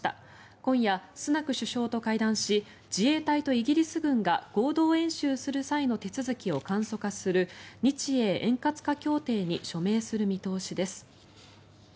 今夜、スナク首相と会談し自衛隊とイギリス軍が合同演習する際の手続きを簡素化する日英円滑化協定に署名する見通しです。